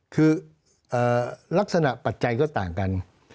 คือลักษณะปัจจัยก็ต่างกัน